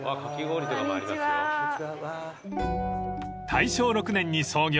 ［大正６年に創業］